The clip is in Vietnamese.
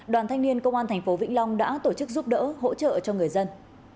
đoàn thanh niên công an thành phố vĩnh long đã tổ chức giúp đỡ hỗ trợ cho người dân